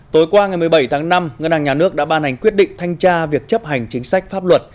tối qua ngày một mươi bảy tháng năm ngân hàng nhà nước đã ban hành quyết định thanh tra việc chấp hành chính sách pháp luật